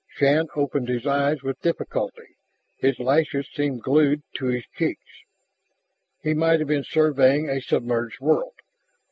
Shann opened his eyes with difficulty, his lashes seemed glued to his cheeks. He might have been surveying a submerged world.